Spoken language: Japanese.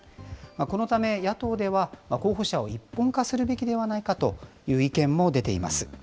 このため野党では、候補者を一本化するべきではないかという意見も出ています。